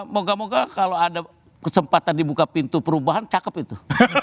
moga moga kalau ada kesempatan dibuka pintu perubahan cakep itu